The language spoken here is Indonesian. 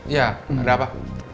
ya ada apa